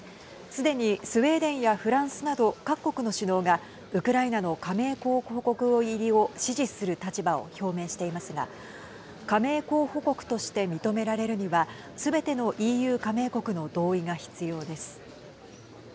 すでにスウェーデンやフランスなど各国の首脳がウクライナの加盟候補国入りを支持する立場を表明していますが加盟候補国として認められるにはすべてのＥＵ加盟国の同意が必要です。